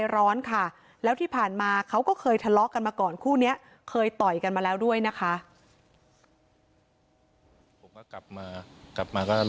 ต่อยกันมาแล้วด้วยนะคะ